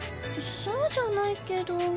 そうじゃないけど。